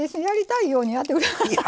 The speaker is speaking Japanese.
やりたいようにやって下さい。